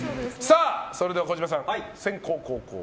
それでは児嶋さん、先攻後攻。